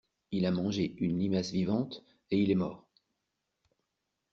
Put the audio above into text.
Il a mangé une limace vivante et il est mort.